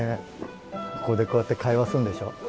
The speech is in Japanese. ここでこうやって会話すんでしょご